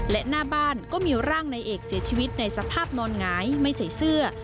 และหน้าบ้านก็มีร่างนายเอกเสียชีวิตในสภาพนอนหงายไม่ใส่เสื้อ